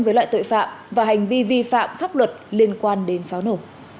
với loại tội phạm và hành vi vi phạm pháp luật liên quan đến pháo nổ